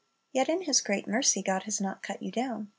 Yet in His great mercy God has not cut you down.